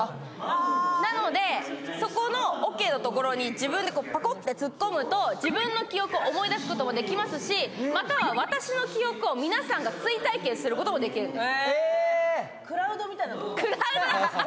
なので、そこのおけのところに自分でパコッと突っ込むと、自分の記憶を思い出すこともできますし、または私の記憶を皆さんが追体験することもできるんです。